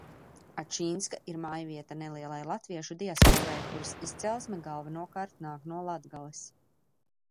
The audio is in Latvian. Ačinska ir mājvieta nelielai latviešu diasporai, kuras izcelsme galvenokārt nāk no Latgales.